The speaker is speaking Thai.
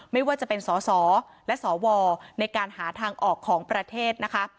ไม่ว่าจะเป็นสสและสวในการหาทางออกของประเทศนะคะ